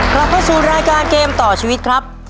ครับวันสุดรายการเกมต่อชีวิตครับ